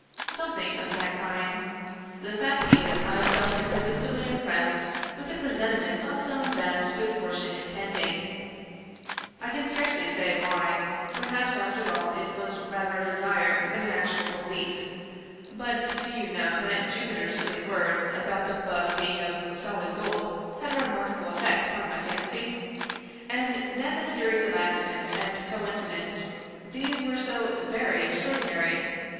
" Something of that kind. The fact is, I felt irresistibly impressed with a presentiment of some vast good fortune impending. I can scarcely say why. Perhaps, after all, it was rather a desire than an actual belief ;— but do you know 152 Edgar Allan Poe that Jupiter's silly words, about the bug being of solid gold, had a remarkable effect upon my fancy? And then the series of accidents and coincidents — these were so very ex traordinary.